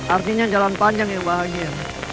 artinya jalan panjang yang bahagia